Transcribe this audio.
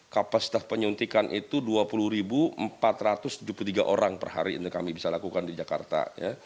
kapasitas penyuntikan itu dua puluh empat ratus tujuh puluh tiga orang per hari ini kami bisa lakukan di jakarta